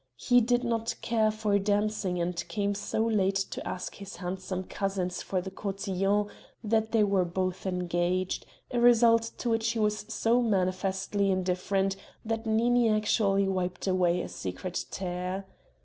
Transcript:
He did not care for dancing and came so late to ask his handsome cousins for the cotillon that they were both engaged a result to which he was so manifestly indifferent that Nini actually wiped away a secret tear.